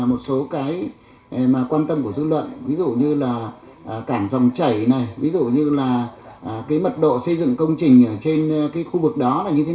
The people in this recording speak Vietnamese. ở trên cái khu vực đó là như thế nào